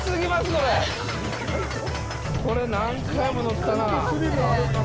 これ何回も乗ったなあ。